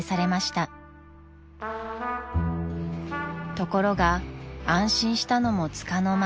［ところが安心したのもつかの間］